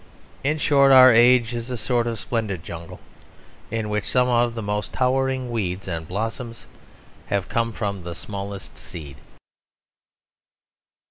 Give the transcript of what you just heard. In short, our age is a sort of splendid jungle in which some of the most towering weeds and blossoms have come from the smallest seed.